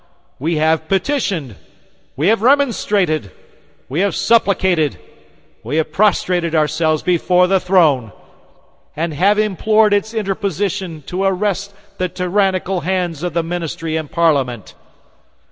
We have petitioned; we have remonstrated; we have supplicated; we have prostrated ourselves before the throne, and have implored its interposition to arrest the tyrannical hands of the ministry and Parliament.